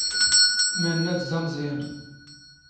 ⵎⴰⵏⵏⴰⴷ ⴷ ⴰⵎⵥⵥⵢⴰⵏ.